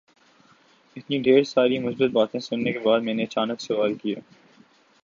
اتنی ڈھیر ساری مثبت باتیں سننے کے بعد میں نے اچانک سوال کیا